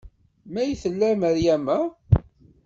May tella Meryama?